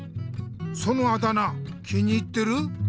そのあだ名気に入ってる？